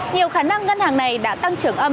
nhiều khả năng ngân hàng này đã tăng trưởng âm